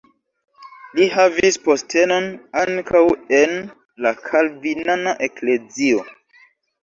Li havis postenon ankaŭ en la kalvinana eklezio.